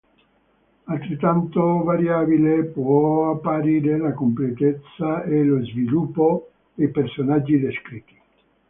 Altrettanto variabile può apparire la completezza e lo sviluppo dei personaggi descritti.